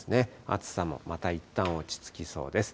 暑さもまたいったん落ち着きそうです。